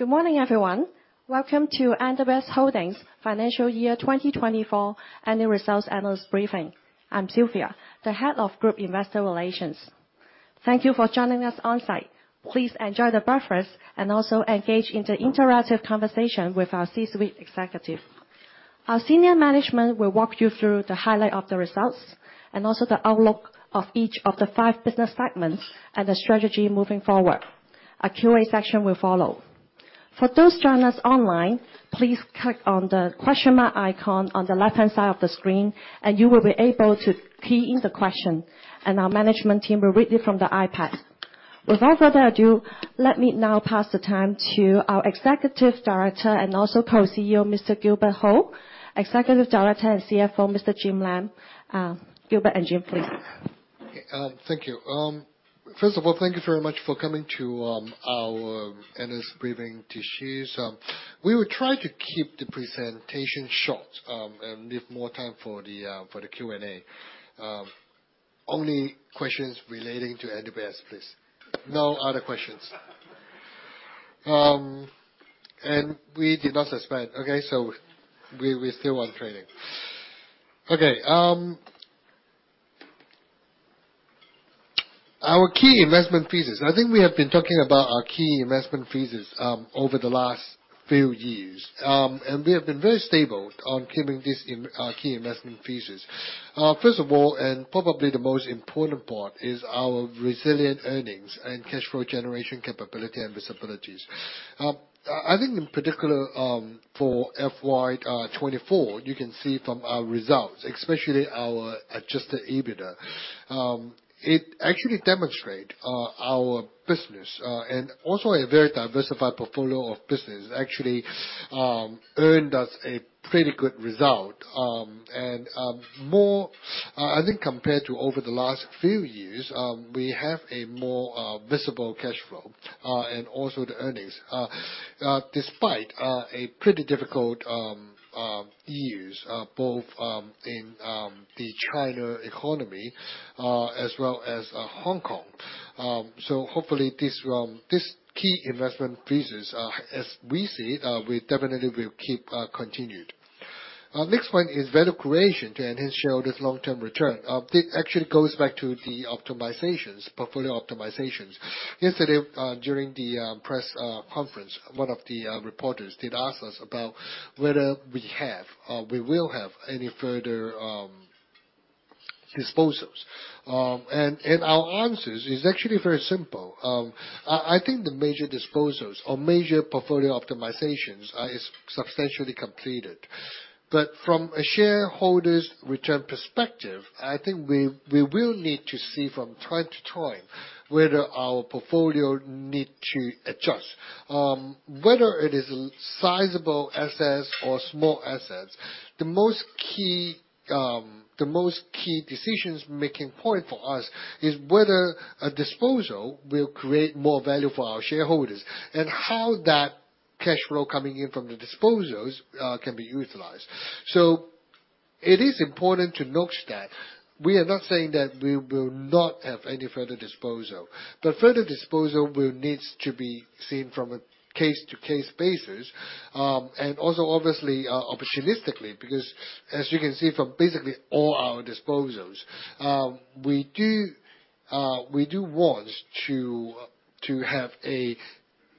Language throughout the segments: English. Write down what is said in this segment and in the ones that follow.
Good morning, everyone. Welcome to NWS Holdings Financial Year 2024 annual results analyst briefing. I'm Silvia, the head of Group Investor Relations. Thank you for joining us on-site. Please enjoy the breakfast and also engage in the interactive conversation with our C-suite executive. Our senior management will walk you through the highlight of the results, and also the outlook of each of the five business segments and the strategy moving forward. A Q&A session will follow. For those joining us online, please click on the question mark icon on the left-hand side of the screen, and you will be able to key in the question, and our management team will read it from the iPad. Without further ado, let me now pass the time to our Executive Director and also Co-CEO, Mr. Gilbert Ho, Executive Director and CFO, Mr. Jim Lam. Gilbert and Jim, please. Thank you. First of all, thank you very much for coming to our analyst briefing this year. So we will try to keep the presentation short, and leave more time for the Q&A. Only questions relating to NWS, please. No other questions. And we did not suspend, okay? So we still want trading. Okay, our key investment thesis. I think we have been talking about our key investment thesis over the last few years. And we have been very stable on keeping this in key investment thesis. First of all, and probably the most important part is our resilient earnings and cash flow generation capability and visibilities. I think in particular, for FY 2024, you can see from our results, especially our Adjusted EBITDA. It actually demonstrate our business and also a very diversified portfolio of business, actually, earned us a pretty good result, and more I think compared to over the last few years we have a more visible cash flow and also the earnings. Despite a pretty difficult years both in the China economy as well as Hong Kong, so hopefully this key investment thesis as we see we definitely will keep continued. Next one is value creation to enhance shareholders' long-term return. This actually goes back to the optimizations, portfolio optimizations. Yesterday during the press conference one of the reporters did ask us about whether we will have any further disposals. Our answer is actually very simple. I think the major disposals or major portfolio optimizations is substantially completed. From a shareholder's return perspective, I think we will need to see from time to time whether our portfolio need to adjust. Whether it is sizable assets or small assets, the most key decision-making point for us is whether a disposal will create more value for our shareholders, and how that cash flow coming in from the disposals can be utilized. It is important to note that we are not saying that we will not have any further disposal, but further disposal will need to be seen from a case-to-case basis. And also, obviously, opportunistically, because as you can see from basically all our disposals, we do want to have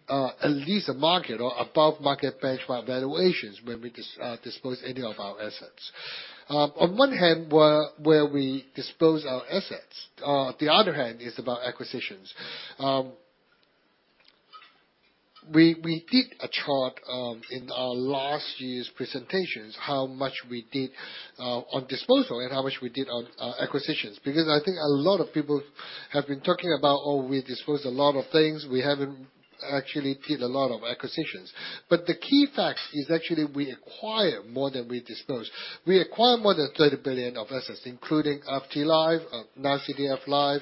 at least a market or above market benchmark valuations when we dispose any of our assets. On one hand, where we dispose our assets, the other hand is about acquisitions. We did a chart in our last year's presentations, how much we did on disposal and how much we did on acquisitions. Because I think a lot of people have been talking about, oh, we disposed a lot of things. We haven't actually did a lot of acquisitions. But the key fact is actually we acquire more than we dispose. We acquire more than 30 billion of assets, including FTLife, now CTF Life,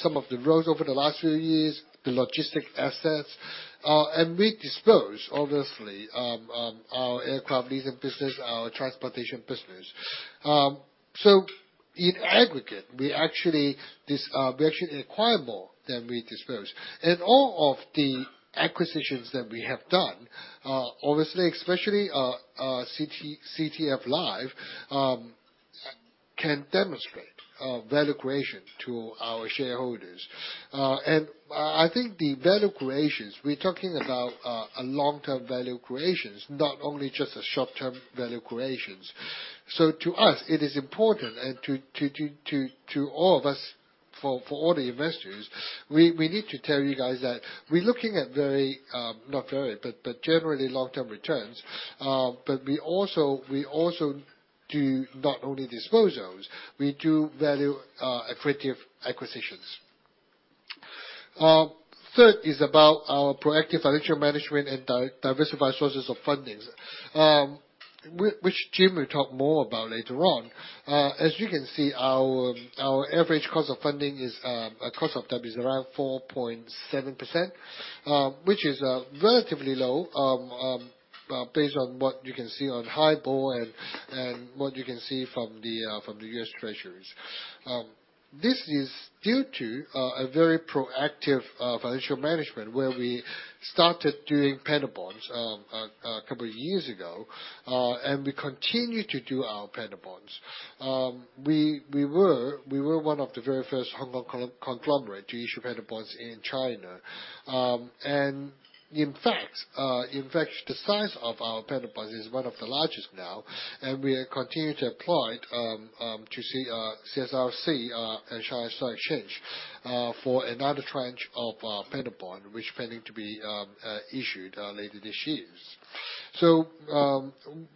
some of the roads over the last few years, the logistics assets, and we dispose, obviously, our aircraft leasing business, our transportation business, so in aggregate, we actually acquire more than we dispose. All of the acquisitions that we have done, obviously, especially CTF Life, can demonstrate value creation to our shareholders. I think the value creations we're talking about, a long-term value creations, not only just a short-term value creations. To us, it is important and to all of us, for all the investors, we need to tell you guys that we're looking at very, not very, but generally long-term returns. But we also, we also do not only disposals, we do value, accretive acquisitions. Third is about our proactive financial management and diversified sources of fundings. Which Jim will talk more about later on. As you can see, our, our average cost of funding is, cost of debt is around 4.7%, which is, relatively low, based on what you can see on HIBOR and, and what you can see from the, from the US Treasuries. This is due to, a very proactive, financial management, where we started doing panda bonds, a, a couple of years ago, and we continue to do our panda bonds. We, we were, we were one of the very first Hong Kong conglomerate to issue panda bonds in China. In fact, the size of our panda bonds is one of the largest now, and we are continuing to apply to the CSRC and Shanghai Stock Exchange for another tranche of panda bond, which pending to be issued later this year. So,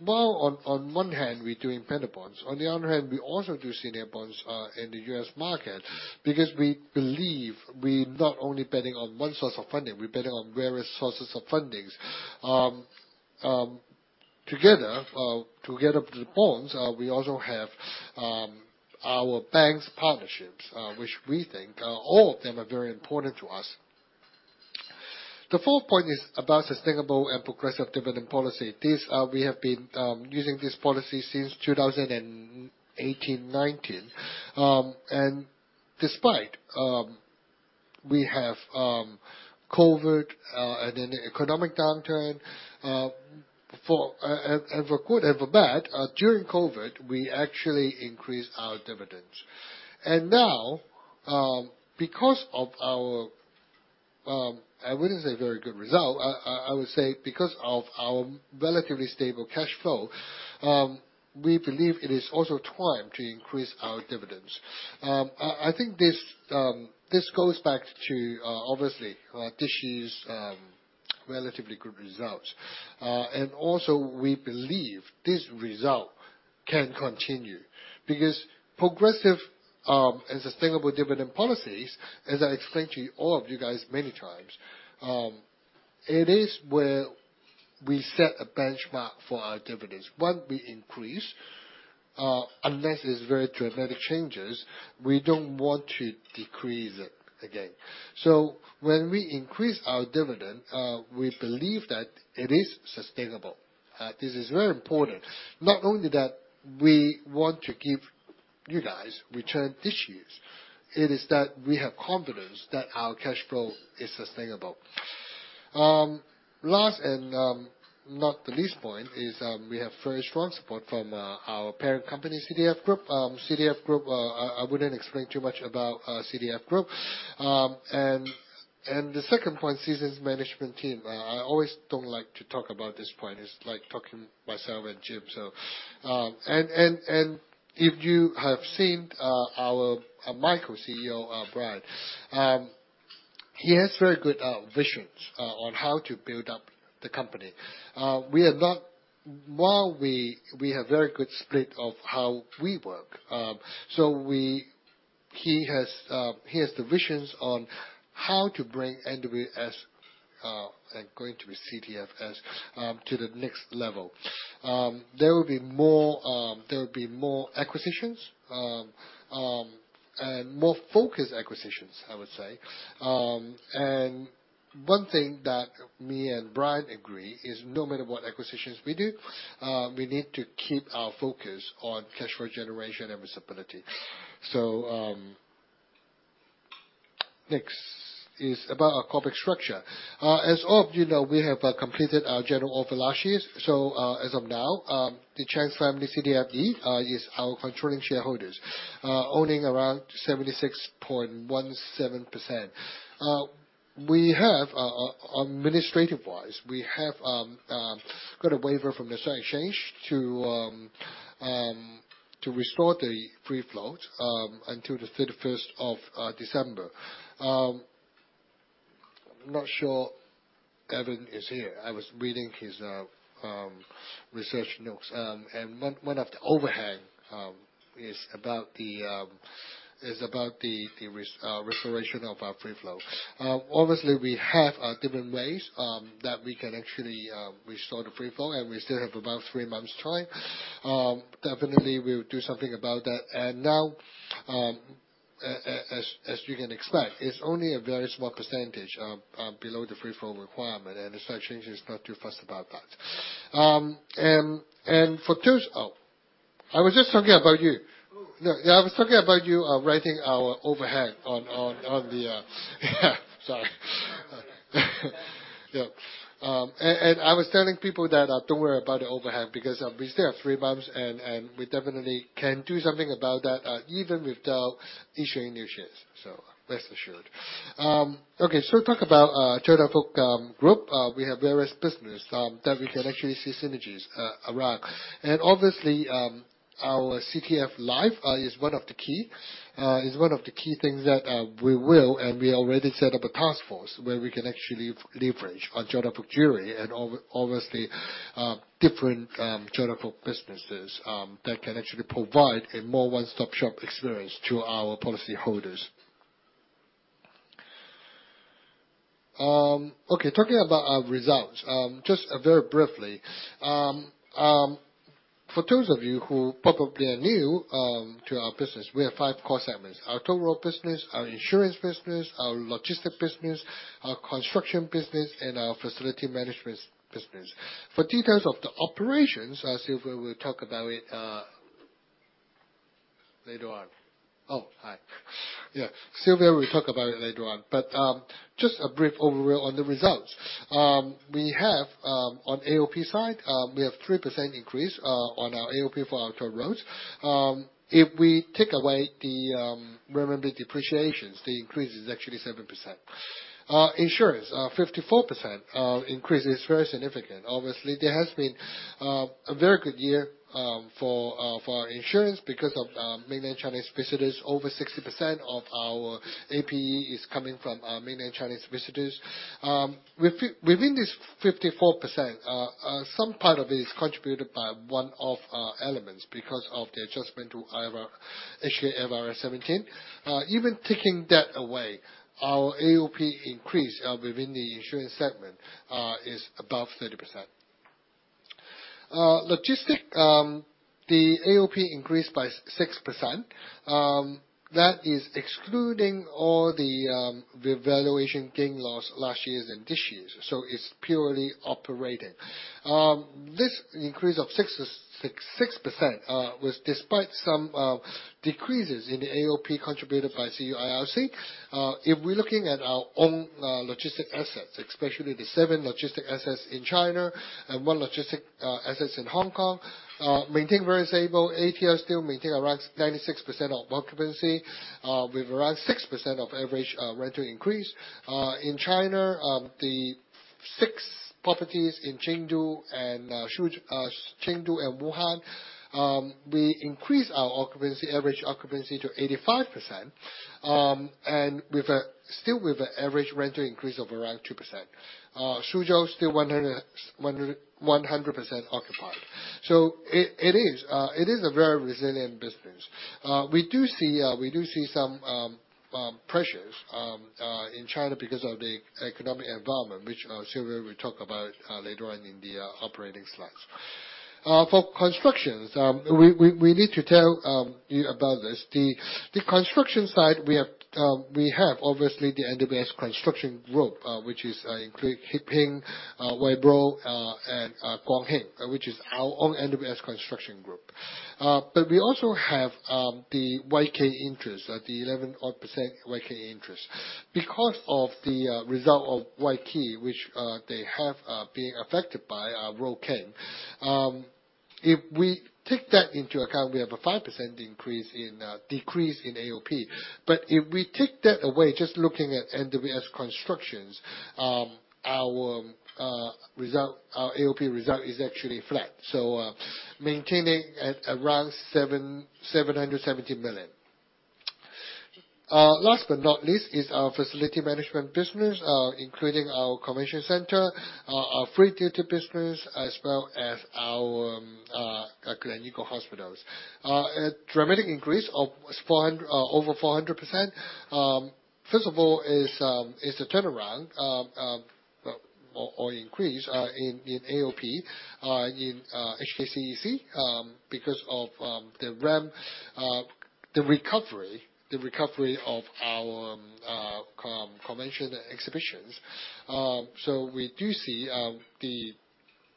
while on one hand we're doing panda bonds, on the other hand, we also do senior bonds in the US market because we believe we're not only betting on one source of funding, we're betting on various sources of fundings. Together with the bonds, we also have our bank partnerships, which we think all of them are very important to us. The fourth point is about sustainable and progressive dividend policy. This, we have been using this policy since 2018, 2019. And despite we have COVID and an economic downturn, and for good and for bad, during COVID, we actually increased our dividends. Now, because of our, I wouldn't say very good result, I would say because of our relatively stable cash flow, we believe it is also time to increase our dividends. I think this goes back to, obviously, this year's relatively good results. And also, we believe this result can continue because progressive and sustainable dividend policies, as I explained to you, all of you guys, many times, it is where we set a benchmark for our dividends. Once we increase, unless there's very dramatic changes, we don't want to decrease it again. So when we increase our dividend, we believe that it is sustainable. This is very important. Not only that we want to give you guys return this year, it is that we have confidence that our cash flow is sustainable. Last and not the least point is, we have very strong support from our parent company, CTF Group. CTF Group, I, I wouldn't explain too much about CTF Group. And if you have seen our my Co-CEO, Brian, he has very good visions on how to build up the company. While we have very good split of how we work, he has the visions on how to bring NWS and going to be CTFS to the next level. There will be more acquisitions, and more focused acquisitions, I would say. And one thing that me and Brian agree is no matter what acquisitions we do, we need to keep our focus on cash flow generation and visibility. So, next is about our corporate structure. As all of you know, we have completed our general offer last year. So, as of now, the Cheng Family, CTFE, is our controlling shareholders, owning around 76.17%. We have administrative-wise, we have got a waiver from the Stock Exchange to restore the free float until the thirty-first of December. I'm not sure Evan is here. I was reading his research notes. And one of the overhang is about the restoration of our free float. Obviously, we have different ways that we can actually restore the free float, and we still have about three months' time. Definitely, we'll do something about that. Now, as you can expect, it's only a very small percentage below the free float requirement, and the Stock Exchange is not too fussed about that. And for two... Oh, I was just talking about you. Who? No, yeah, I was talking about you writing our overhang on the yeah, sorry. Yeah. And I was telling people that don't worry about the overhang because we still have three months, and we definitely can do something about that even without issuing new shares. So rest assured. Okay, so talk about Chow Tai Fook Group. We have various business that we can actually see synergies around. And obviously, our CTF Life is one of the key things that we will and we already set up a task force where we can actually leverage on Chow Tai Fook Jewellery and obviously different Chow Tai Fook businesses that can actually provide a more one-stop-shop experience to our policyholders. Okay, talking about our results, just very briefly. For those of you who probably are new to our business, we have five core segments: our toll road business, our insurance business, our logistic business, our construction business, and our facility management business. For details of the operations, as Silvia will talk about it later on. Oh, hi. Yeah, Silvia will talk about it later on. But just a brief overview on the results. We have, on AOP side, we have 3% increase on our AOP for our toll roads. If we take away the Renminbi depreciations, the increase is actually 7%. Insurance, 54% increase is very significant. Obviously, there has been a very good year for our insurance because of mainland Chinese visitors. Over 60% of our APE is coming from mainland Chinese visitors. Within this 54%, some part of it is contributed by one of our elements because of the adjustment to HKFRS 17. Even taking that away, our AOP increase within the insurance segment is above 30%. Logistic, the AOP increased by 6%. That is excluding all the revaluation gain loss last year's and this year's, so it's purely operating. This increase of 6% was despite some decreases in the AOP contributed by CUIRC. If we're looking at our own logistic assets, especially the seven logistic assets in China and one logistic assets in Hong Kong, maintain very stable. ATL still maintain around 96% occupancy, with around 6% average rental increase. In China, the six properties in Suzhou, Chengdu and Wuhan, we increased our average occupancy to 85%, and still with average rental increase of around 2%. Suzhou still 100% occupied. So it is a very resilient business. We do see some pressures in China because of the economic environment, which Silvia will talk about later on in the operating slides. For constructions, we need to tell you about this. The construction side, we have obviously the NWS Construction Group, which includes Hip Hing, Vibro, and Quon Hing, which is our own NWS Construction Group. But we also have the Wai Kee interest, the 11% Wai Kee interest. Because of the result of Wai Kee, which they have been affected by Road King, if we take that into account, we have a 5% decrease in AOP. But if we take that away, just looking at NWS Construction, our result, our AOP result is actually flat, so maintaining at around 777 million. Last but not least is our facility management business, including our convention center, our Free Duty business, as well as our Gleneagles Hospital. A dramatic increase of over 400%. First of all, is a turnaround or increase in AOP in HKCEC because of the recovery of our convention exhibitions. So we do see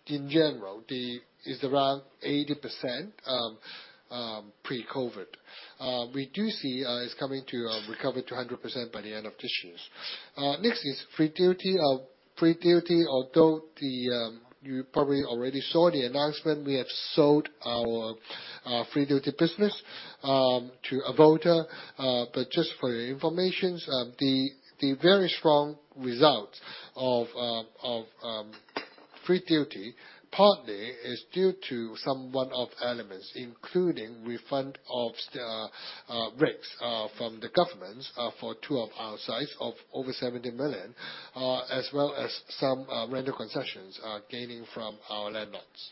in general it's around 80% pre-COVID. We do see it's coming to recover to 100% by the end of this year. Next is Free Duty. Free Duty, although you probably already saw the announcement, we have sold our Free Duty business to Avolta. But just for your information, the very strong results of Free Duty partly is due to some one-off elements, including refund of the rates from the governments for two of our sites of over 70 million, as well as some rental concessions gaining from our landlords.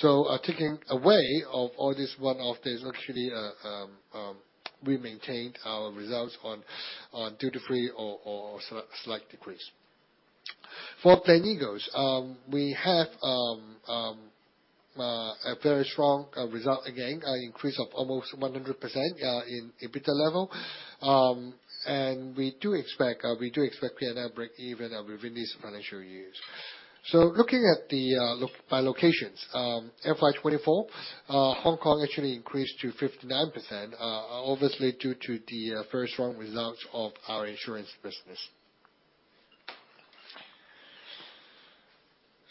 So, taking away of all this one-off, there's actually. We maintained our results on duty-free or slight decrease. For Gleneagles, we have a very strong result again, an increase of almost 100% in EBITDA level. And we do expect we are going to break even within this financial year. So looking at the locations, FY 2024, Hong Kong actually increased to 59%, obviously, due to the very strong results of our insurance business.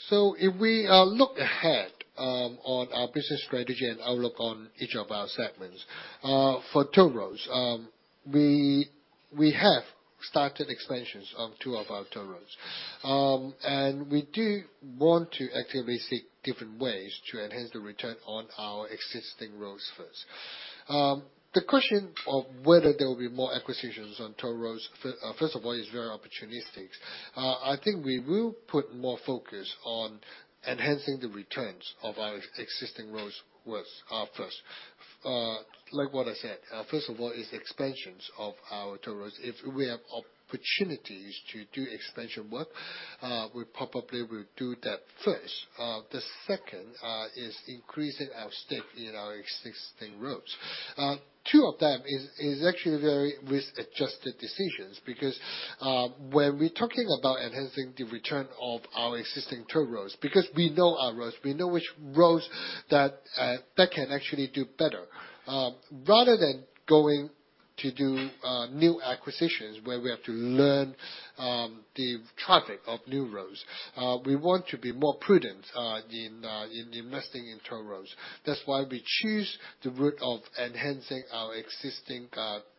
So if we look ahead on our business strategy and outlook on each of our segments. For toll roads, we have started expansions on two of our toll roads. And we do want to actively seek different ways to enhance the return on our existing roads first. The question of whether there will be more acquisitions on toll roads first of all is very opportunistic. I think we will put more focus on enhancing the returns of our existing roads first, like what I said, first of all, is expansions of our toll roads. If we have opportunities to do expansion work, we probably will do that first. The second is increasing our stake in our existing roads. Two of them is actually very risk-adjusted decisions, because when we're talking about enhancing the return of our existing toll roads, because we know our roads, we know which roads that that can actually do better. Rather than going to do new acquisitions, where we have to learn the traffic of new roads, we want to be more prudent in investing in toll roads. That's why we choose the route of enhancing our existing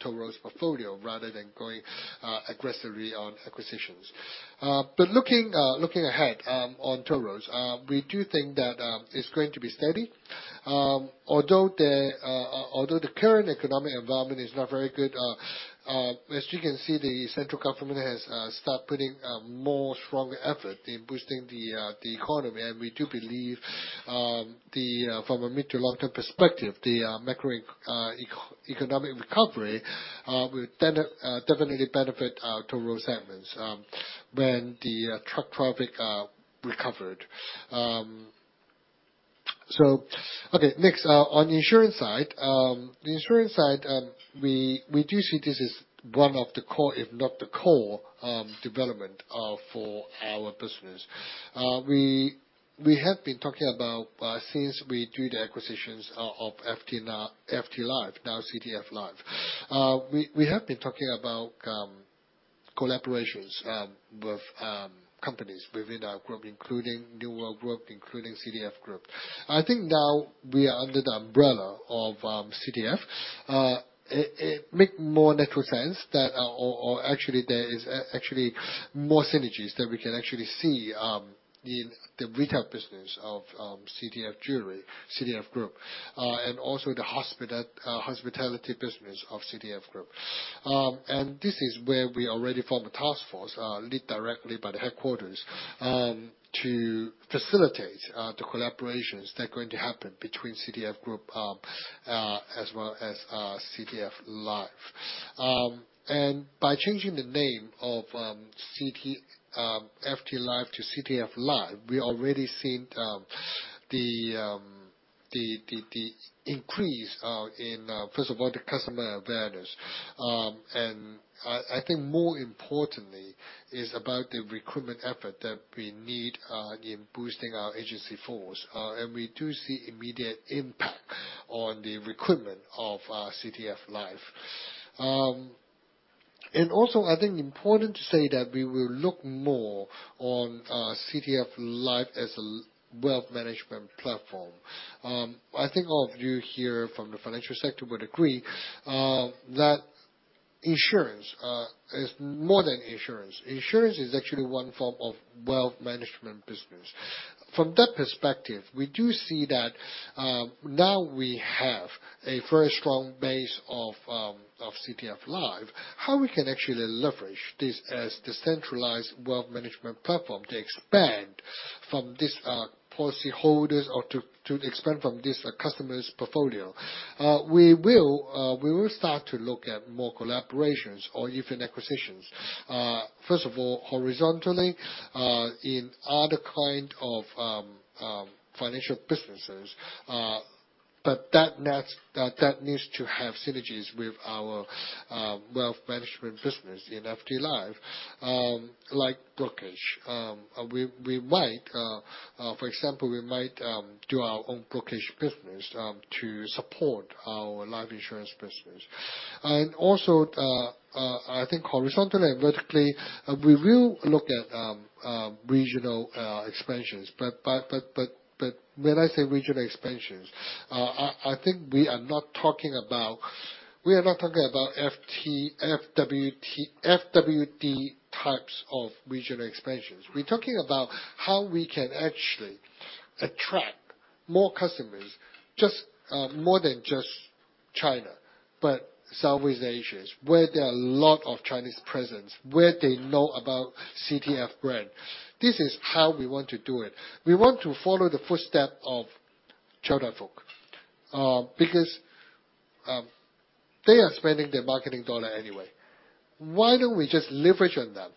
toll roads portfolio rather than going aggressively on acquisitions. But looking ahead on toll roads, we do think that it's going to be steady. Although the current economic environment is not very good, as you can see, the central government has start putting a more strong effort in boosting the economy. And we do believe, from a mid to long-term perspective, the macro economic recovery will definitely benefit our toll road segments, when the truck traffic recovered. So okay, next, on the insurance side. The insurance side, we do see this as one of the core, if not the core, development for our business. We have been talking about, since we do the acquisitions of FT now, FT Life, now CTF Life. We have been talking about collaborations with companies within our group, including New World Group, including CTF Group. I think now we are under the umbrella of CTF. It makes more natural sense that, or actually there is actually more synergies that we can actually see in the retail business of CTF Jewelry, CTF Group, and also the hospitality business of CTF Group. And this is where we already form a task force led directly by the headquarters to facilitate the collaborations that are going to happen between CTF Group as well as CTF Life. And by changing the name of FTLife to CTF Life, we already seen the increase in first of all the customer awareness. And I think more importantly is about the recruitment effort that we need in boosting our agency force. And we do see immediate impact on the recruitment of CTF Life. And also, I think important to say that we will look more on CTF Life as a wealth management platform. I think all of you here from the financial sector would agree that insurance is more than insurance. Insurance is actually one form of wealth management business. From that perspective, we do see that now we have a very strong base of CTF Life, how we can actually leverage this as the centralized wealth management platform to expand from this policyholders or to expand from this customer's portfolio? We will start to look at more collaborations or even acquisitions. First of all, horizontally, in other kind of financial businesses, but that needs to have synergies with our wealth management business in FTLife, like brokerage. We might, for example, do our own brokerage business to support our life insurance business. And also, I think horizontally and vertically, we will look at regional expansions. When I say regional expansions, I think we are not talking about FWD types of regional expansions. We're talking about how we can actually attract more customers, just more than just China, but Southeast Asia, where there are a lot of Chinese presence, where they know about CTF brand. This is how we want to do it. We want to follow the footstep of Chow Tai Fook, because they are spending their marketing dollar anyway. Why don't we just leverage on them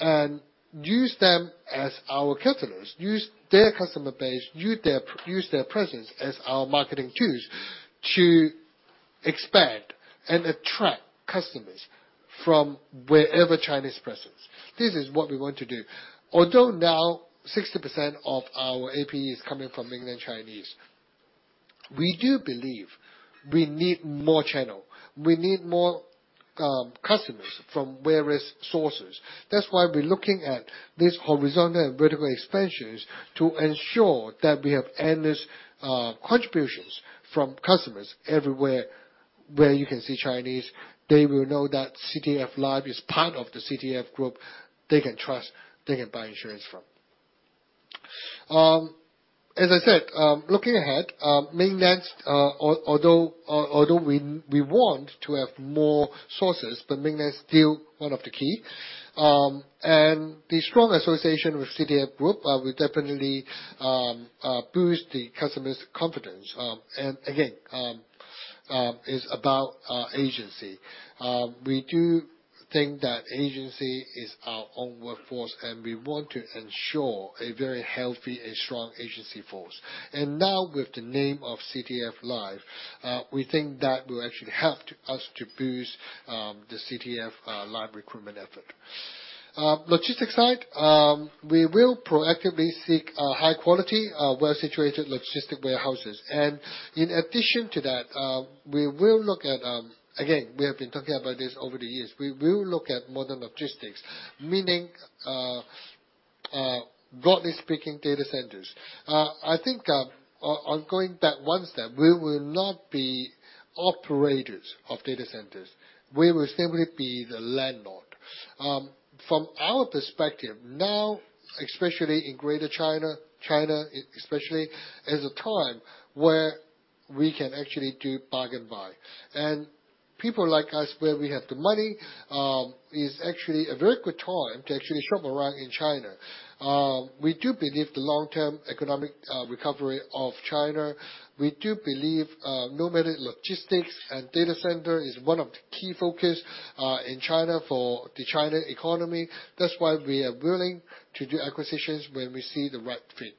and use them as our customers, use their customer base, use their presence as our marketing tools to expand and attract customers from wherever Chinese presence? This is what we want to do. Although now 60% of our APE is coming from Mainland Chinese, we do believe we need more channel, we need more, customers from various sources. That's why we're looking at these horizontal and vertical expansions to ensure that we have endless contributions from customers everywhere. Where you can see Chinese, they will know that CTF Life is part of the CTF Group. They can trust, they can buy insurance from. As I said, looking ahead, Mainland, although we want to have more sources, but Mainland is still one of the key. And the strong association with CTF Group will definitely boost the customers' confidence. And again, is about our agency. We do think that agency is our own workforce, and we want to ensure a very healthy and strong agency force. And now, with the name of CTF Life, we think that will actually help to us to boost the CTF life recruitment effort. Logistics side, we will proactively seek high quality well-situated logistic warehouses. And in addition to that, we will look at, again, we have been talking about this over the years. We will look at modern logistics, meaning, broadly speaking, data centers. I think, on going back one step, we will not be operators of data centers. We will simply be the landlord. From our perspective, now, especially in Greater China, China especially, is a time where we can actually do bargain buy. And people like us, where we have the money, is actually a very good time to actually shop around in China. We do believe the long-term economic recovery of China. We do believe no matter logistics and data center is one of the key focus in China for the China economy. That's why we are willing to do acquisitions when we see the right fit.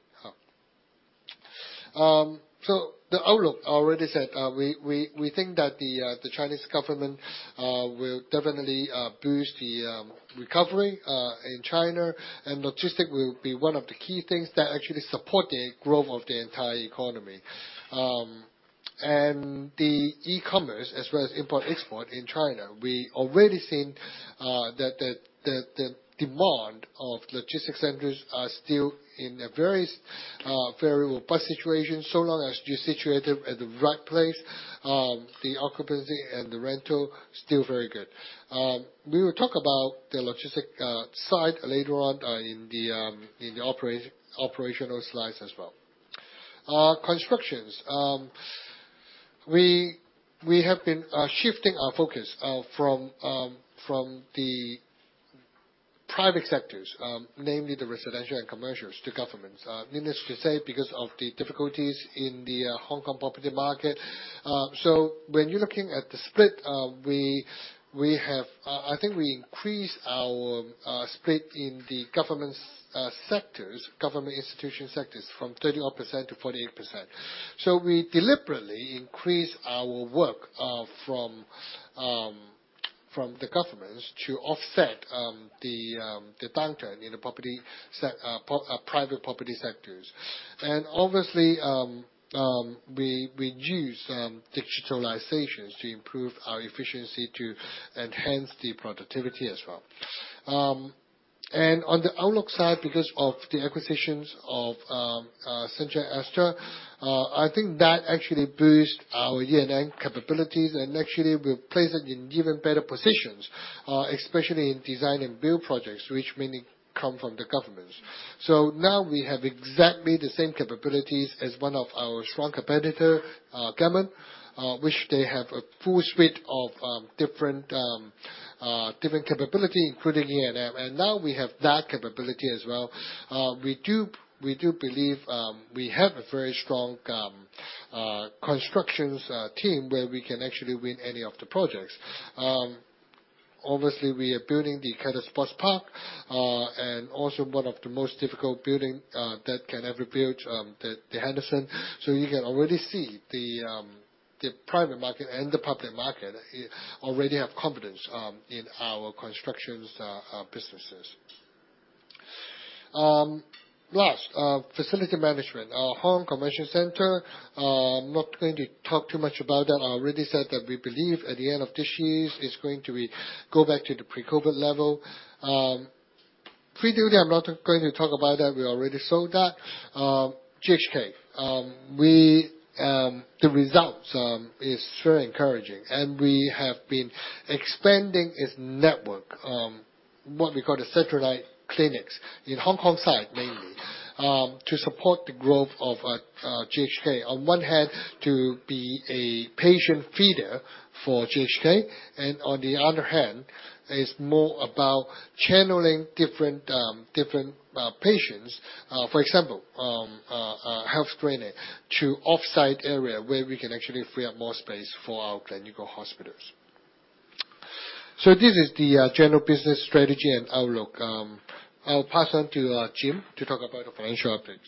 So the outlook, I already said, we think that the Chinese government will definitely boost the recovery in China, and logistics will be one of the key things that actually support the growth of the entire economy. And the e-commerce, as well as import-export in China, we already seen that the demand of logistics centers are still in a very robust situation. So long as you're situated at the right place, the occupancy and the rental still very good. We will talk about the logistic side later on, in the operational slides as well. Constructions. We have been shifting our focus from the private sectors, namely the residential and commercial, to governments. Needless to say, because of the difficulties in the Hong Kong property market. So when you're looking at the split, we have. I think we increased our split in the government's sectors, government institution sectors, from 31%-48%. So we deliberately increased our work from the governments to offset the downturn in the property private property sectors. And obviously, we use digitalizations to improve our efficiency to enhance the productivity as well. On the outlook side, because of the acquisitions of Hsin Chong Aster, I think that actually boost our E&M capabilities, and actually we're placed in even better positions, especially in design and build projects, which mainly come from the governments. So now we have exactly the same capabilities as one of our strong competitor, Gammon, which they have a full suite of different capability, including E&M, and now we have that capability as well. We do believe we have a very strong construction team, where we can actually win any of the projects. Obviously, we are building the Kai Tak Sports Park, and also one of the most difficult building that can ever build, the Henderson. So you can already see the private market and the public market already have confidence in our construction businesses. Last, facility management. Our Hong Kong Convention Center, I'm not going to talk too much about that. I already said that we believe at the end of this year, it's going to go back to the pre-COVID level. Free Duty, I'm not going to talk about that. We already sold that. GHK, the results is very encouraging, and we have been expanding its network, what we call the satellite clinics, in Hong Kong side mainly, to support the growth of GHK. On one hand, to be a patient feeder for GHK, and on the other hand, is more about channeling different patients, for example, health screening, to offsite area where we can actually free up more space for our clinical hospitals. So this is the general business strategy and outlook. I'll pass on to Jim to talk about the financial updates.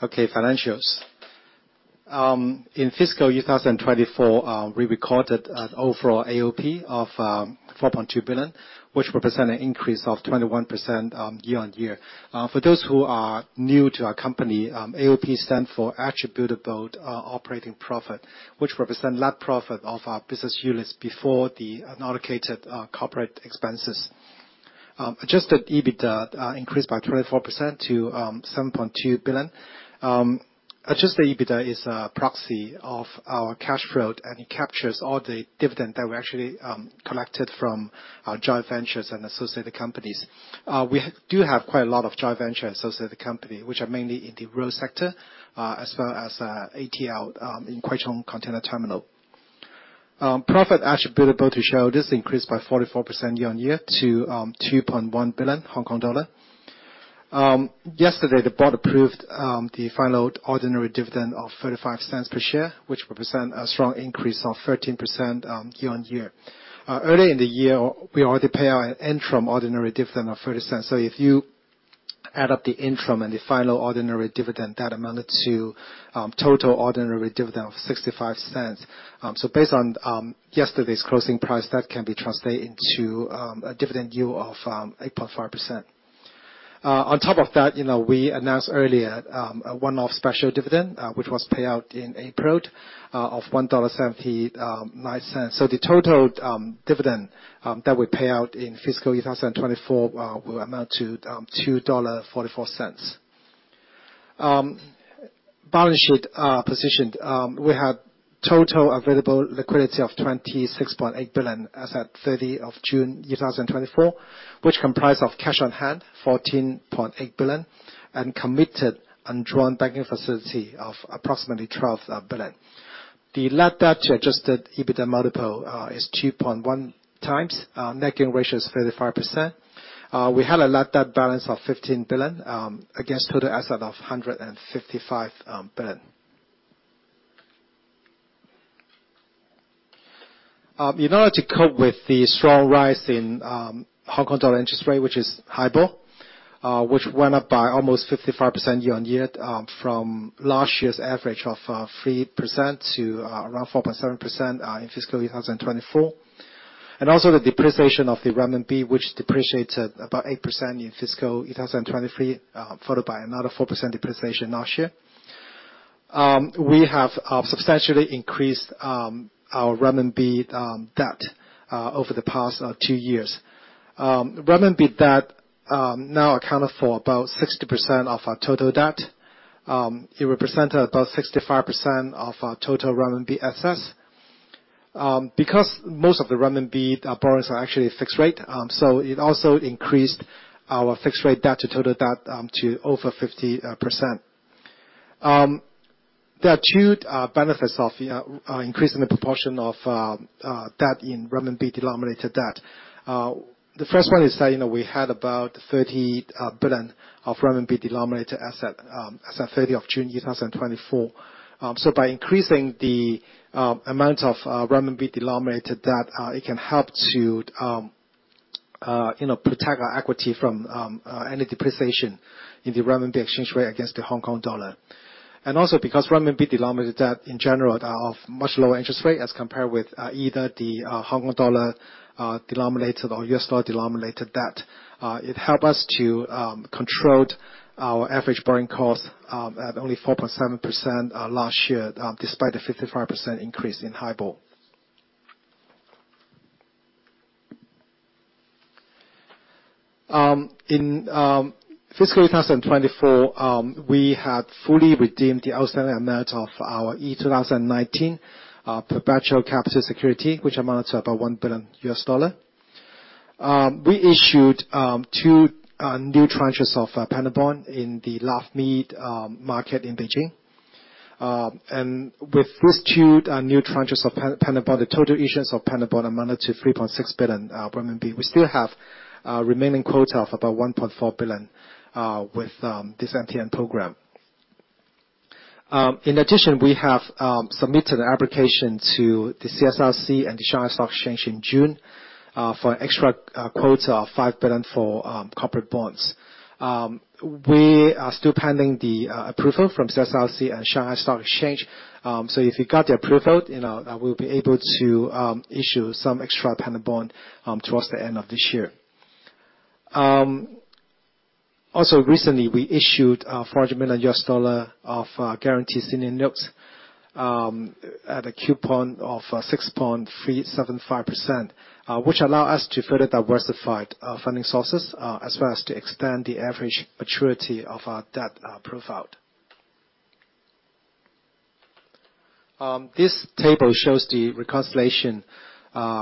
Okay, financials. In fiscal year 2024, we recorded an overall AOP of 4.2 billion, which represent an increase of 21% year on year. For those who are new to our company, AOP stand for Attributable Operating Profit, which represent net profit of our business units before the unallocated corporate expenses. Adjusted EBITDA increased by 24% to 7.2 billion. Adjusted EBITDA is a proxy of our cash flow, and it captures all the dividend that we actually collected from our joint ventures and associated companies. We do have quite a lot of joint venture associated company, which are mainly in the toll road sector, as well as ATL in Kwai Chung Container Terminal. Profit attributable to shareholders increased by 44% year-on-year to 2.1 billion Hong Kong dollar. Yesterday, the board approved the final ordinary dividend of 0.35 per share, which represent a strong increase of 13% year-on-year. Early in the year, we already paid our interim ordinary dividend of 0.30. So if you add up the interim and the final ordinary dividend, that amounted to total ordinary dividend of 0.65. So based on yesterday's closing price, that can be translated into a dividend yield of 8.5%. On top of that, you know, we announced earlier a one-off special dividend, which was paid out in April of 1.79 dollar. So the total dividend that we paid out in fiscal year 2024 will amount to 2.44 dollar. Balance sheet position. We have total available liquidity of 26.8 billion as at 30 June 2024, which comprise of cash on hand, 14.8 billion, and committed undrawn banking facility of approximately 12 billion. The net debt to adjusted EBITDA multiple is 2.1x. Net gear ratio is 35%. We had a net debt balance of 15 billion against total assets of 155 billion. In order to cope with the strong rise in Hong Kong dollar interest rate, which is HIBOR, which went up by almost 55% year-on-year from last year's average of 3% to around 4.7% in fiscal year 2024. And also the depreciation of the renminbi, which depreciated about 8% in fiscal 2023 followed by another 4% depreciation last year. We have substantially increased our renminbi debt over the past two years. Renminbi debt now accounted for about 60% of our total debt. It represented about 65% of our total renminbi assets. Because most of the renminbi borrowings are actually fixed rate, so it also increased our fixed rate debt to total debt to over 50%. There are two benefits of increasing the proportion of debt in renminbi-denominated debt. The first one is that, you know, we had about 30 billion RMB of renminbi-denominated asset as at 30 of June year 2024. So by increasing the amount of renminbi-denominated debt, it can help to, you know, protect our equity from any depreciation in the renminbi exchange rate against the Hong Kong dollar. And also because renminbi-denominated debt, in general, are of much lower interest rate as compared with either the Hong Kong dollar denominated or US dollar-denominated debt, it help us to control our average borrowing cost at only 4.7% last year, despite a 55% increase in HIBOR. In fiscal 2024, we have fully redeemed the outstanding amount of our E2019 perpetual capital security, which amounts to about $1 billion. We issued two new tranches of panda bond in the NAFMII market in Beijing. And with these two new tranches of panda bond, the total issuance of panda bond amount d to 3.6 billion RMB. We still have a remaining quota of about 1.4 billion with this MTN program. In addition, we have submitted an application to the CSRC and the Shanghai Stock Exchange in June for an extra quota of 5 billion for corporate bonds. We are still pending the approval from CSRC and Shanghai Stock Exchange. If we got the approval, you know, then we'll be able to issue some extra panda bond towards the end of this year. Also recently, we issued $400 million of guaranteed senior notes at a coupon of 6.375%, which allow us to further diversify our funding sources as well as to extend the average maturity of our debt profile. This table shows the reconciliation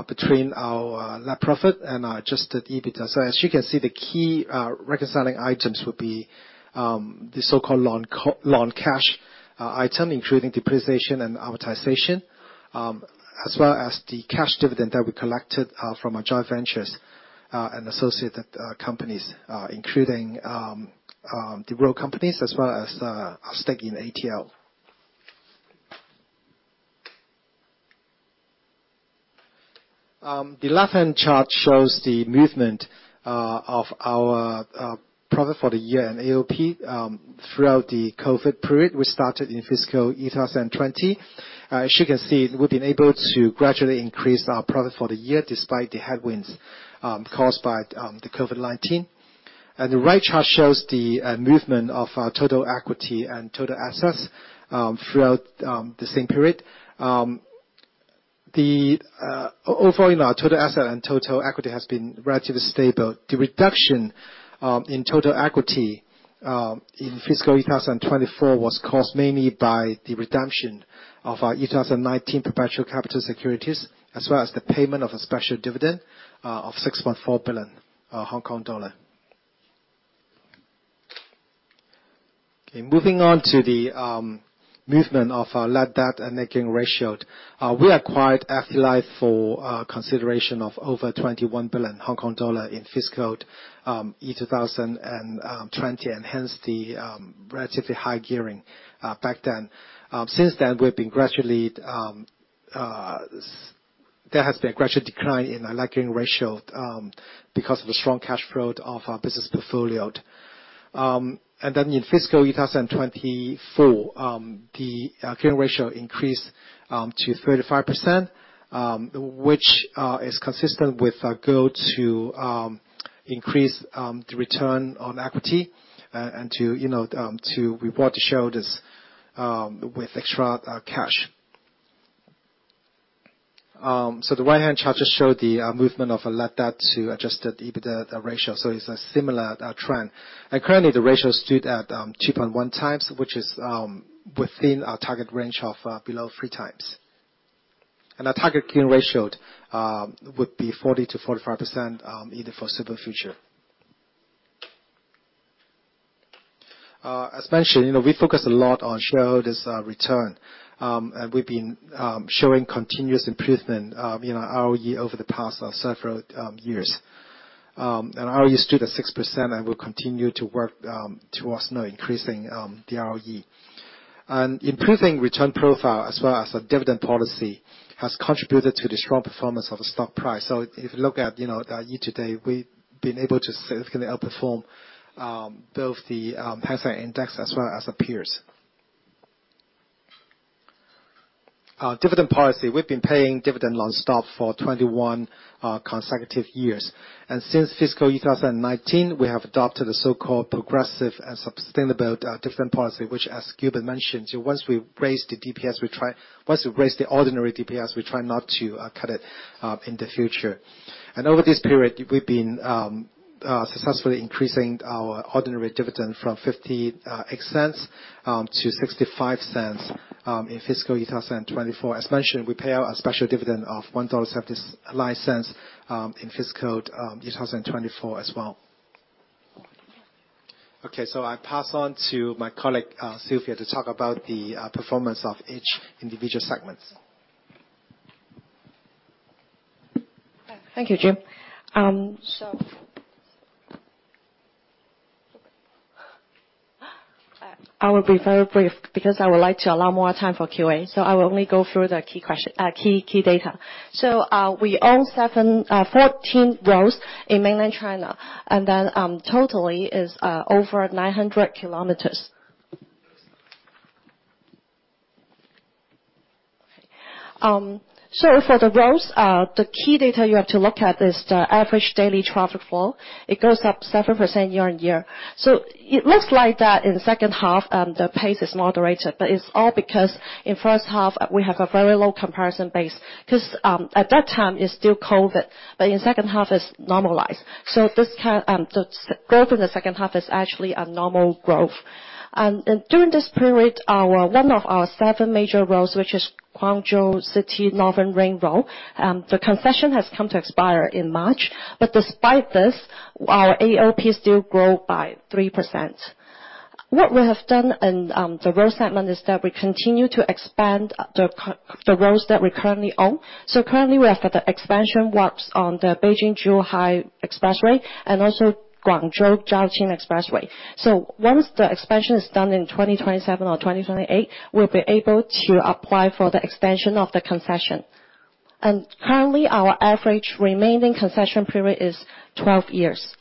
between our net profit and our adjusted EBITDA. So as you can see, the key reconciling items would be the so-called non-cash item, including depreciation and amortization as well as the cash dividend that we collected from our joint ventures and associated companies, including the growth companies as well as our stake in ATL. The left-hand chart shows the movement of our profit for the year and AOP throughout the COVID period, which started in fiscal 2020. As you can see, we've been able to gradually increase our profit for the year despite the headwinds caused by the COVID-19. And the right chart shows the movement of our total equity and total assets throughout the same period. Overall, you know, our total asset and total equity has been relatively stable. The reduction in total equity in fiscal 2024 was caused mainly by the redemption of our 2019 perpetual capital securities, as well as the payment of a special dividend of 6.4 billion Hong Kong dollar. Okay, moving on to the movement of our net debt and gearing ratio. We acquired FTLife for consideration of over 21 billion Hong Kong dollar in fiscal year 2020, and hence the relatively high gearing back then. Since then, we've been gradually there has been a gradual decline in our gearing ratio because of the strong cash flow of our business portfolio. And then in fiscal year 2024, the gearing ratio increased to 35%, which is consistent with our goal to increase the return on equity, and to, you know, to reward the shareholders with extra cash. So the right-hand chart just show the movement of net debt to adjusted EBITDA ratio, so it's a similar trend. Currently, the ratio stood at 2.1x, which is within our target range of below 3x. Our target gearing ratio would be 40%-45%, either for simple future. As mentioned, you know, we focus a lot on shareholders return, and we've been showing continuous improvement in our ROE over the past several years. ROE stood at 6%, and we'll continue to work towards, you know, increasing the ROE. Improving return profile, as well as our dividend policy, has contributed to the strong performance of the stock price. If you look at, you know, the year to date, we've been able to significantly outperform both the Hang Seng Index as well as the peers. Our dividend policy, we've been paying dividend non-stop for 21 consecutive years. Since fiscal year 2019, we have adopted a so-called progressive and sustainable dividend policy, which, as Gilbert mentioned, once we raise the DPS, we try. Once we raise the ordinary DPS, we try not to cut it in the future. And over this period, we've been successfully increasing our ordinary dividend from 0.50-0.65 in fiscal year 2024. As mentioned, we pay out a special dividend of 1.75 dollars in fiscal year 2024 as well. Okay, so I pass on to my colleague, Silvia, to talk about the performance of each individual segments. Thank you, Jim. So I will be very brief because I would like to allow more time for Q&A, so I will only go through the key data. So we own 14 roads in mainland China, and then total is over 900 kilometers. So for the roads, the key data you have to look at is the average daily traffic flow. It goes up 7% year-on-year. So it looks like that in the second half the pace has moderated, but it's all because in first half we have a very low comparison base, cause at that time it's still COVID, but in second half it's normalized. So the growth in the second half is actually a normal growth. During this period, our one of our seven major roads, which is Guangzhou City Northern Ring Road, the concession has come to expire in March. But despite this, our AOP still grow by 3%. What we have done in the road segment is that we continue to expand the roads that we currently own. So currently, we have the expansion works on the Beijing-Zhuhai Expressway and also Guangzhou-Zhaoqing Expressway. So once the expansion is done in 2027 or 2028, we'll be able to apply for the extension of the concession. And currently, our average remaining concession period is 12 years.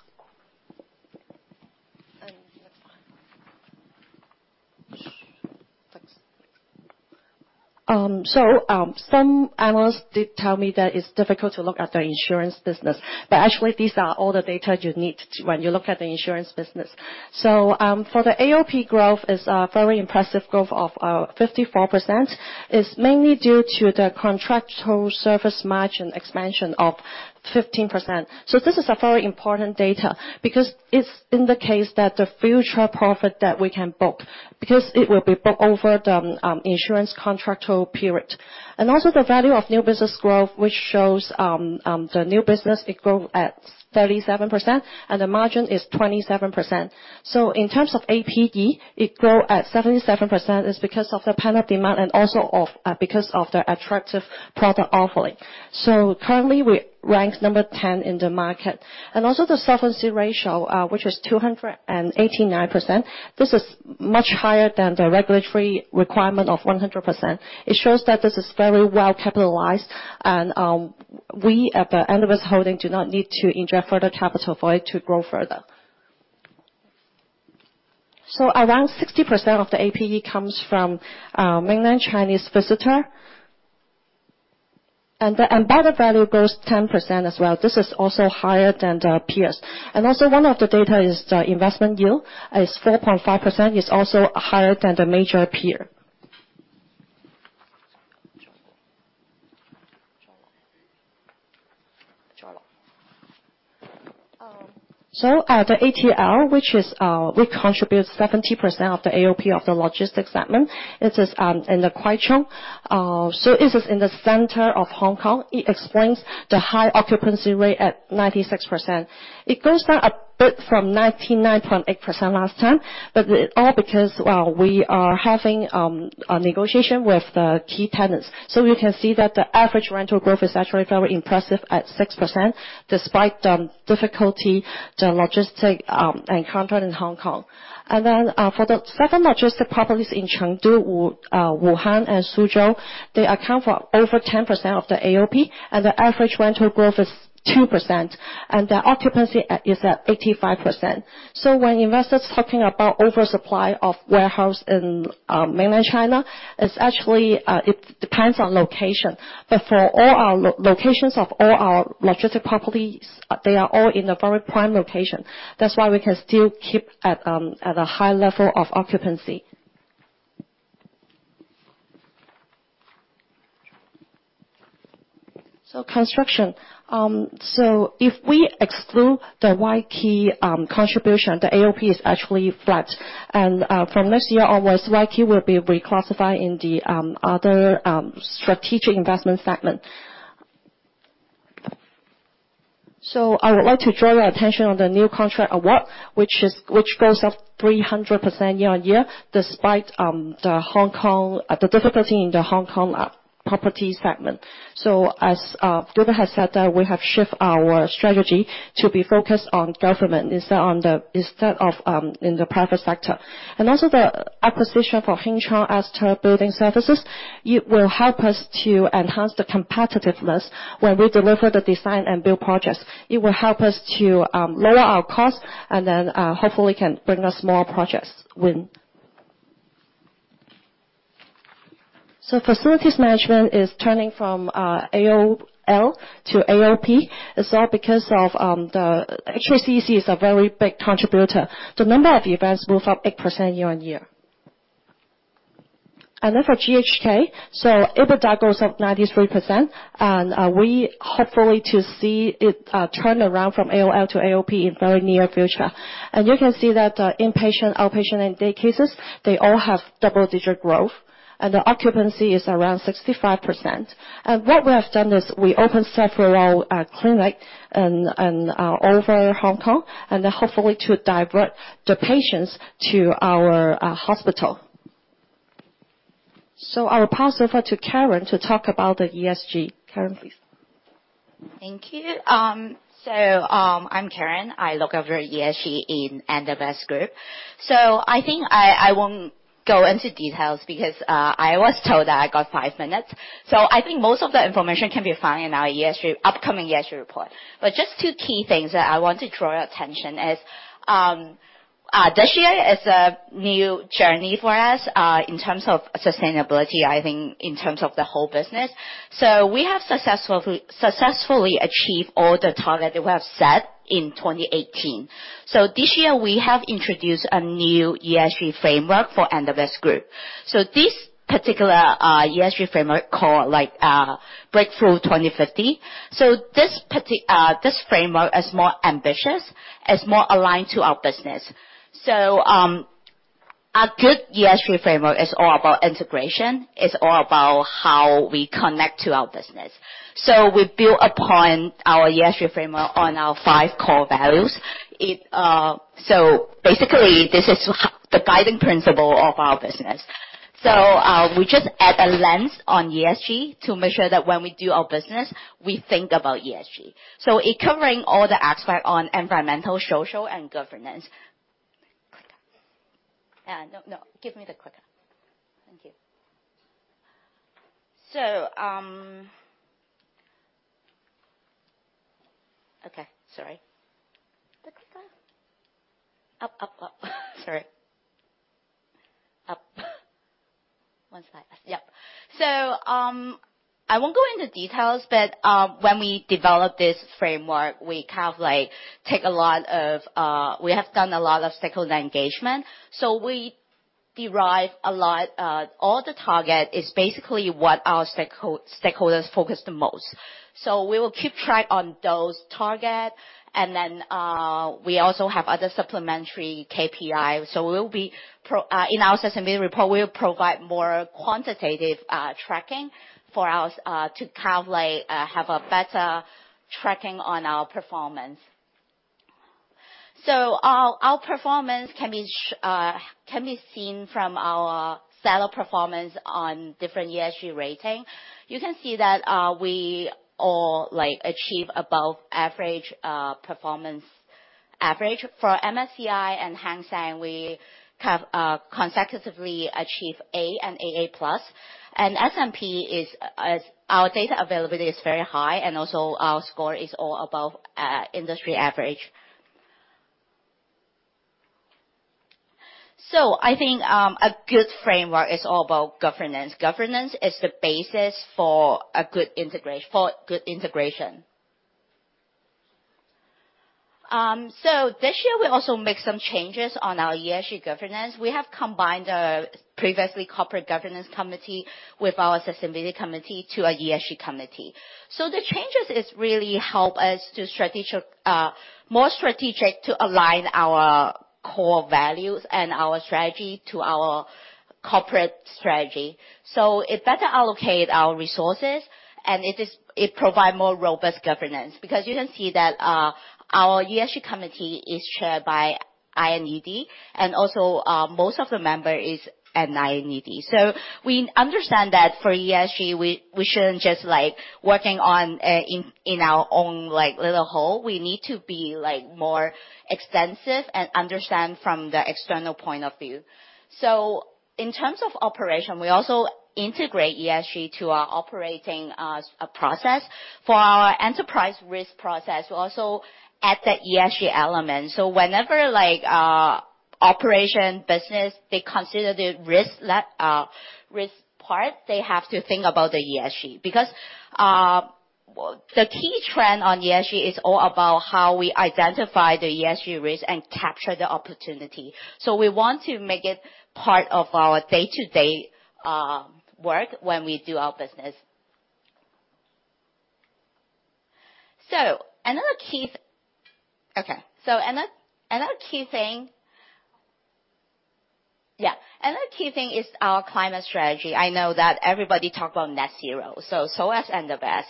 Some analysts did tell me that it's difficult to look at the insurance business, but actually, these are all the data you need when you look at the insurance business. So, for the AOP growth, is a very impressive growth of 54%. It's mainly due to the contractual service margin expansion of 15%. So this is a very important data because it's in the case that the future profit that we can book, because it will be booked over the insurance contractual period. And also the value of new business growth, which shows the new business, it grow at 37%, and the margin is 27%. So in terms of APE, it grow at 77% is because of the pent-up demand and also of because of the attractive product offering. So currently, we rank number 10 in the market. And also the solvency ratio, which is 289%, this is much higher than the regulatory requirement of 100%. It shows that this is very well capitalized, and we, at the end of this holding, do not need to inject further capital for it to grow further. So around 60% of the APE comes from mainland Chinese visitor. And the embedded value grows 10% as well. This is also higher than the peers. And also, one of the data is the investment yield is 4.5%, is also higher than the major peer. So the ATL, which is we contribute 70% of the AOP of the logistics segment. This is in the Kwai Chung, so this is in the center of Hong Kong. It explains the high occupancy rate at 96%. It goes down a bit from 99.8% last time, but it all because, well, we are having a negotiation with the key tenants. So we can see that the average rental growth is actually very impressive at 6%, despite the difficulty the logistics encountered in Hong Kong. And then, for the seven logistics properties in Chengdu, Wuhan, and Suzhou, they account for over 10% of the AOP, and the average rental growth is 2%, and the occupancy is at 85%. So when investors talking about oversupply of warehouse in mainland China, it's actually it depends on location. But for all our locations of all our logistics properties, they are all in a very prime location. That's why we can still keep at a high level of occupancy. So construction, if we exclude the Wai Kee contribution, the AOP is actually flat. From this year onwards, Wai Kee will be reclassified in the other strategic investment segment. I would like to draw your attention on the new contract award, which goes up 300% year-on-year, despite the difficulty in the Hong Kong property segment. As Gilbert has said that we have shift our strategy to be focused on government, instead of in the private sector. Also the acquisition for Hip Hing Aster Building Services, it will help us to enhance the competitiveness when we deliver the design and build projects. It will help us to lower our cost, and then hopefully can bring us more projects win. So facilities management is turning from AOL to AOP. It's all because of the HKCEC is a very big contributor. The number of events move up 8% year-on-year. And then for GHK, so EBITDA goes up 93%, and we hopefully to see it turn around from AOL to AOP in very near future. And you can see that inpatient, outpatient, and day cases, they all have double-digit growth, and the occupancy is around 65%. And what we have done is, we opened several clinic in over Hong Kong, and then hopefully to divert the patients to our hospital. So I will pass over to Karen to talk about the ESG. Karen, please. Thank you. I'm Karen. I look after ESG in NWS Group. So I think I won't go into details because I was told that I got five minutes. So I think most of the information can be found in our ESG upcoming ESG report. But just two key things that I want to draw your attention is this year is a new journey for us in terms of sustainability, I think in terms of the whole business. So we have successfully achieved all the target that we have set in 2018. So this year, we have introduced a new ESG framework for NWS Group. So this particular ESG framework called, like, Breakthrough 2050. So this framework is more ambitious, is more aligned to our business. So, a good ESG framework is all about integration, it's all about how we connect to our business. So we build upon our ESG framework on our five core values. It, So basically, this is the guiding principle of our business. So, we just add a lens on ESG to make sure that when we do our business, we think about ESG. So it covering all the aspect on environmental, social, and governance. No, no, give me the clicker. Thank you. So, Okay. Sorry. The clicker? Up, up, up. Sorry. Up. One slide. Yep. So, I won't go into details, but, when we developed this framework, we kind of like, we have done a lot of stakeholder engagement. So we derive a lot, all the target is basically what our stakeholders focus the most. We will keep track on those targets, and then we also have other supplementary KPI. So we'll be, in our sustainability report, we'll provide more quantitative tracking for us to kind of like have a better tracking on our performance. So our performance can be seen from our overall performance on different ESG ratings. You can see that we all, like, achieve above average performance average. For MSCI and Hang Seng, we have consecutively achieved A and AA+. And S&P is our data availability is very high, and also our score is all above industry average. So I think a good framework is all about governance. Governance is the basis for a good integration. So this year, we also make some changes on our ESG governance. We have combined our previous corporate governance committee with our sustainability committee to an ESG committee. So the changes is really help us to strategic, more strategic to align our core values and our strategy to our corporate strategy. So it better allocate our resources, and it is, it provide more robust governance, because you can see that, our ESG committee is chaired by INED, and also, most of the member is at INED. So we understand that for ESG, we shouldn't just, like, working on, in our own, like, little silo. We need to be, like, more extensive and understand from the external point of view. So in terms of operation, we also integrate ESG to our operating process. For our enterprise risk process, we also add the ESG element. Whenever, like, operation business, they consider the risk part, they have to think about the ESG. Because the key trend on ESG is all about how we identify the ESG risk and capture the opportunity. We want to make it part of our day-to-day work when we do our business. Another key thing is our climate strategy. I know that everybody talk about net zero. As NWS,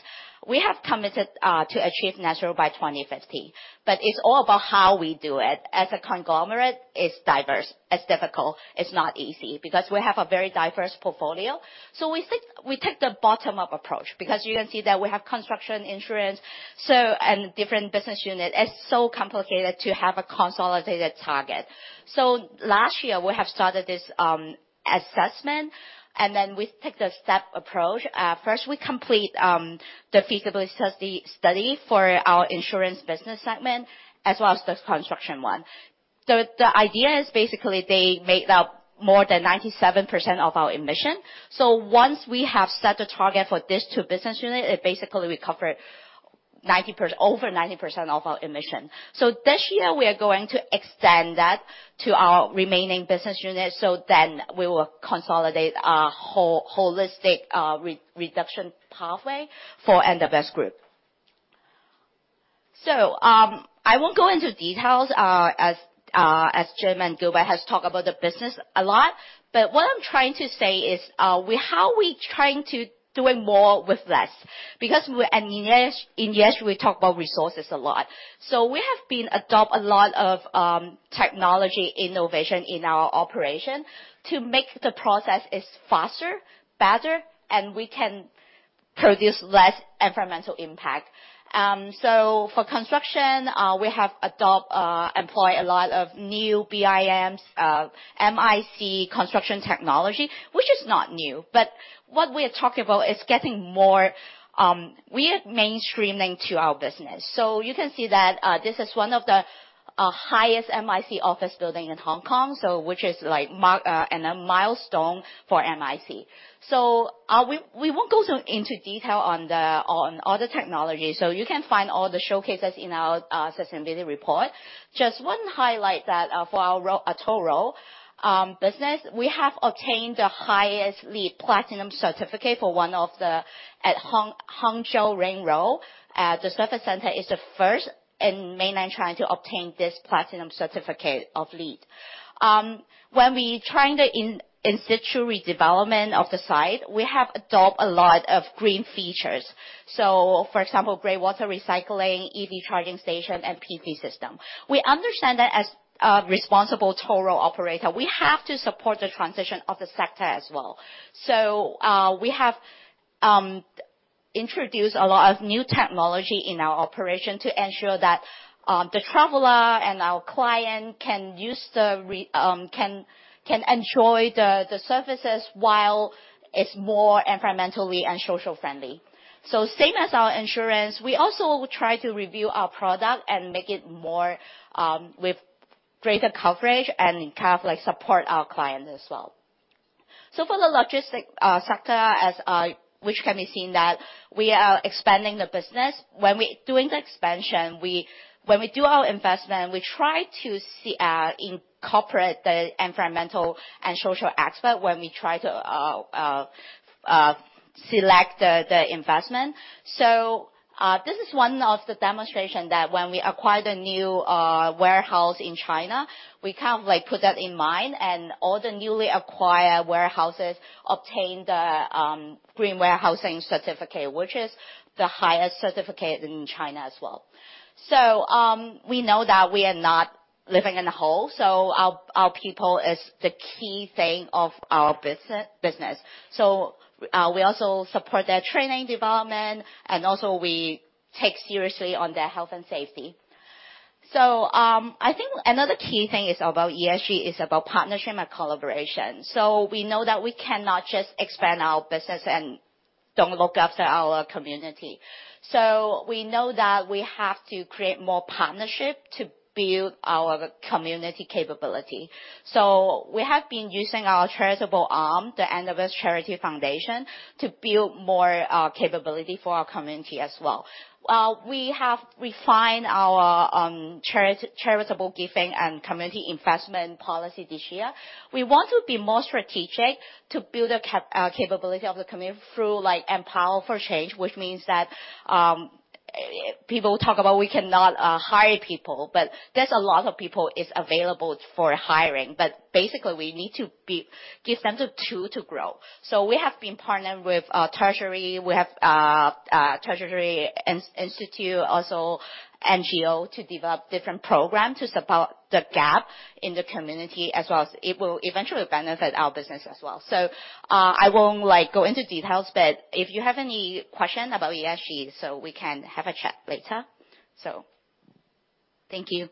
we have committed to achieve net zero by 2050, but it's all about how we do it. As a conglomerate, it's diverse, it's difficult, it's not easy, because we have a very diverse portfolio. We think we take the bottom-up approach, because you can see that we have construction, insurance, so, and different business unit. It's so complicated to have a consolidated target. So last year, we have started this assessment, and then we take the step approach. First, we complete the feasibility study for our insurance business segment, as well as the construction one. So the idea is basically they make up more than 97% of our emission. So once we have set the target for these two business unit, it basically will cover 90%--over 90% of our emission. So this year, we are going to extend that to our remaining business units, so then we will consolidate our holistic reduction pathway for NWS Group. So I won't go into details, as Chairman Gilbert has talked about the business a lot, but what I'm trying to say is, how we're trying to doing more with less? Because we're in ESG. In ESG, we talk about resources a lot. So we have been adopt a lot of technology innovation in our operation to make the process is faster, better, and we can produce less environmental impact. So for construction, we have adopt, employ a lot of new BIMs, MIC construction technology, which is not new, but what we are talking about is getting more, we are mainstreaming to our business. So you can see that, this is one of the highest MIC office building in Hong Kong, so which is like a marker and a milestone for MIC. So, we won't go so into detail on all the technology, so you can find all the showcases in our sustainability report. Just one highlight that, for our toll road business, we have obtained the highest LEED Platinum certificate for one of the at Hangzhou Ring Road. The service center is the first in mainland China to obtain this platinum certificate of LEED. When we trying the in situ redevelopment of the site, we have adopt a lot of green features. So for example, gray water recycling, EV charging station, and PV system. We understand that as a responsible toll road operator, we have to support the transition of the sector as well. We have introduced a lot of new technology in our operation to ensure that the traveler and our client can enjoy the services while it's more environmentally and social friendly. So same as our insurance, we also try to review our product and make it more with greater coverage and kind of like support our client as well. So for the logistics sector, which can be seen that we are expanding the business. When we do our investment, we try to incorporate the environmental and social aspect when we try to select the investment. So this is one of the demonstration that when we acquired a new warehouse in China, we kind of like put that in mind, and all the newly acquired warehouses obtained the Green Warehousing Certificate, which is the highest certificate in China as well. So, we know that we are not living in a hole, so our people is the key thing of our business. So, we also support their training, development, and also we take seriously on their health and safety. So, I think another key thing is about ESG is about partnership and collaboration. So we know that we cannot just expand our business and don't look after our community. So we know that we have to create more partnership to build our community capability. So we have been using our charitable arm, the NWS Charity Foundation, to build more capability for our community as well. We have refined our charitable giving and community investment policy this year. We want to be more strategic to build a capability of the community through, like, Empower for Change, which means that, people talk about we cannot hire people, but there's a lot of people is available for hiring, but basically, we need to give them the tool to grow. So we have been partnered with Treasury. We have Treasury Institute, also NGO, to develop different program to support the gap in the community, as well as it will eventually benefit our business as well. So I won't, like, go into details, but if you have any question about ESG, so we can have a chat later. So thank you.